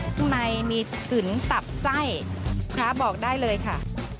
ข้างในมีกึนตับไส้พระบอกได้เลยค่ะ